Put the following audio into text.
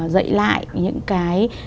dạy lại những cái